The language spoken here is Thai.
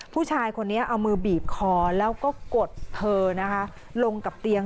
ผู้ชายคนนี้เอามือบีบคอแล้วก็กดเธอนะคะลงกับเตียง